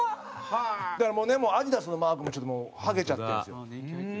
だからもうねアディダスのマークもちょっともうはげちゃってるんですよ。